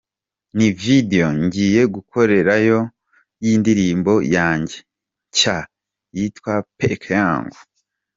Ni video ngiye gukorerayo y’indirimbo yanjye nshya yitwa ‘Peke yangu’.